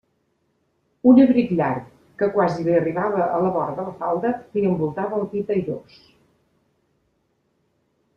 Un abric llarg, que quasi li arribava a la vora de la falda, li envoltava el pit airós.